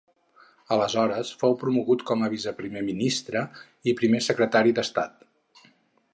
Aleshores, fou promogut com a vice-primer ministre i primer secretari d'estat.